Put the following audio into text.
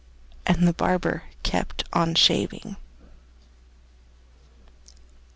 And the barber kept on shaving.